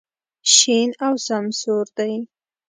شین او سمسور دی.